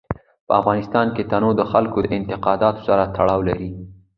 په افغانستان کې تنوع د خلکو د اعتقاداتو سره تړاو لري.